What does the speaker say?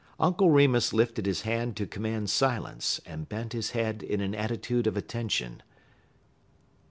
Uncle Remus lifted his hand to command silence, and bent his head in an attitude of attention.